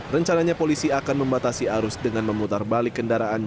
rencananya polisi akan membatasi arus dengan memutar balik kendaraan